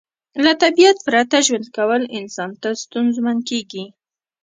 له طبیعت پرته ژوند کول انسان ته ستونزمن کیږي